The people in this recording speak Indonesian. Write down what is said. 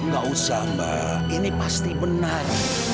gak usah mbak ini pasti benar